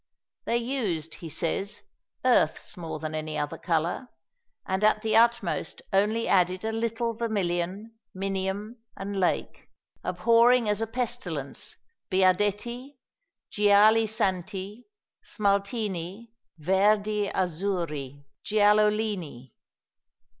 "They used," he says, "earths more than any other colour, and at the utmost only added a little vermilion, minium, and lake, abhorring as a pestilence biadetti, gialli santi, smaltini, verdi azzurri, giallolini."